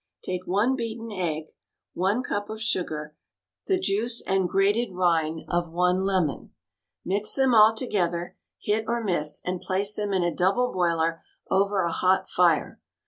Take one beaten egg, one cup of sugar, the juice and grated rind of one lemon. Mix them all together, hit or miss, and place them in a double boiler over a hot fire.